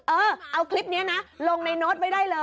เออเอาคลิปนี้นะลงในโน้ตไว้ได้เลย